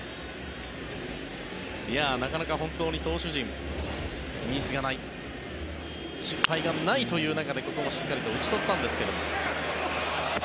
なかなか本当に投手陣、ミスがない失敗がないという中でここもしっかりと打ち取ったんですが。